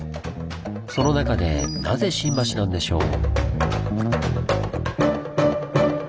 その中でなぜ新橋なんでしょう？